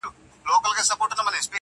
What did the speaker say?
ژونده د څو انجونو يار يم، راته ووايه نو.